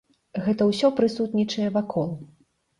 Гэта ўсё прысутнічае вакол.